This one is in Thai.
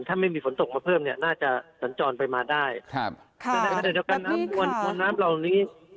ถ้าไม่มีฝนตกมาเพิ่มเนี่ยน่าจะสัญจรไปมาได้ครับครับแบบนี้ค่ะ